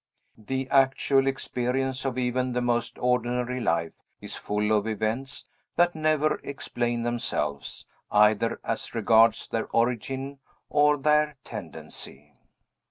The actual experience of even the most ordinary life is full of events that never explain themselves, either as regards their origin or their tendency.